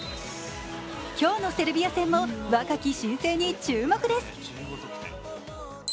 今日のセルビア戦も若き新星に注目です。